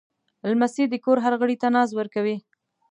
لمسی د کور هر غړي ته ناز ورکوي.